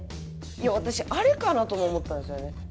いや私あれかなとも思ったんですよね。